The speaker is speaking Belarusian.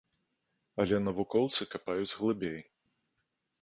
Але навукоўцы капаюць глыбей.